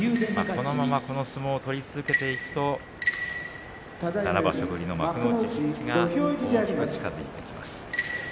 このままこの相撲を取り続けていくと７場所ぶりの幕内復帰が大きく近づいてきます。